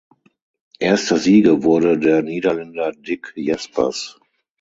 Erster Sieger wurde der Niederländer Dick Jaspers.